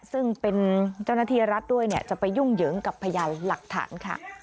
ซึ่งเป็นเจ้าหน้าที่รัฐด้วยจะไปยุ่งเหยิงกับพยานหลักฐานค่ะ